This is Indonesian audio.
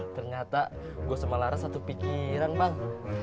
ternyata gue sama laras satu pikiran bang